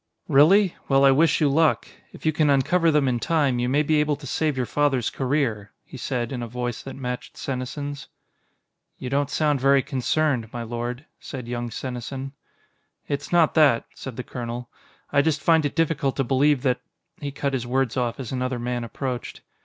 "Really? Well, I wish you luck. If you can uncover them in time, you may be able to save your father's career," he said, in a voice that matched Senesin's. "You don't sound very concerned, my lord," said young Senesin. "It's not that," said the colonel. "I just find it difficult to believe that " He cut his words off as another man approached.